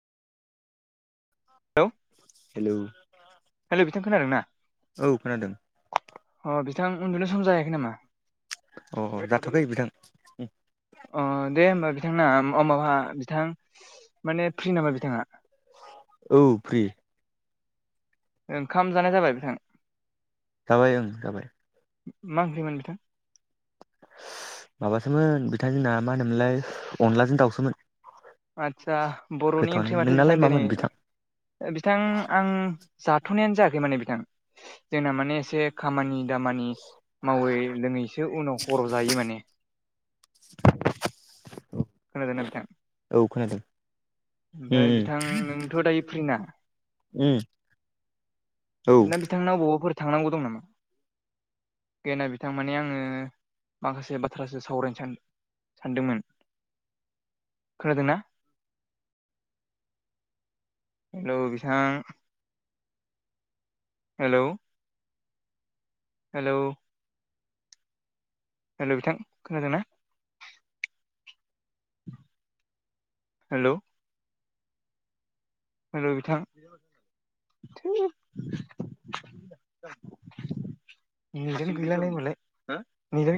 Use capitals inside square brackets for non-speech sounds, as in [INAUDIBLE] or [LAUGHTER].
Hello hello hello बिथां खोनादों ना औ खोनादों। अ बिथां उन्दुनो सम जायाखै नामा अ अ जाथ'याखै बिथां। अ दे होमबा बिथांना अ माबा बिथां माने फ्रि नामा बिथाङा औ फ्रि ओंखाम जानाय जाबाय बिथां जाबाय ओं जाबाय मा ओंख्रिमोन बिथां? माबासोमोन बिथांजोंना मा होनोमोनलाय अनलाजों दाउसोमोन। आदसा बर'नि ओंख्रि गोथावआनोमोन माथो बिथां नोंनालाय दिनै मामोन बिथां बिथां आं जाथ'नायानो जायाखै माने बिथां जोंना माने एसे खामानि दामानि मावै लोङैसो उनाव खर' जायो माने। खोनादोंना बिथां? औ खोनादों। उम ओमफाय उम बिथां नोंथ' दायो फ्रिना उम औ दा बिथांनाव बबावबाफोर थांनांगौ दं नामा? गैयाना बिथां मान आङो माखासे बाथ्रासो सावरायनो सानदों। सानदोंमोन खोनादोंना? [INAUDIBLE] हेलौ बिथां हेल' हेलौ हेल' बिथां खोनादोंना? हेल' हेल' बिथां थोद [UNINTELLIGIBLE]